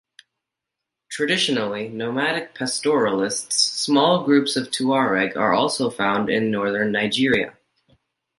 Traditionally nomadic pastoralists, small groups of Tuareg are also found in northern Nigeria.